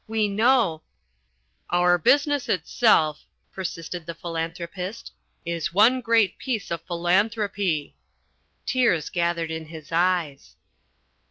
"We know " "Our business itself," persisted The Philanthropist, "is one great piece of philanthropy." Tears gathered in his eyes.